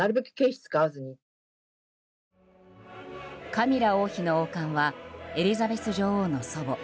カミラ王妃の王冠はエリザベス女王の祖母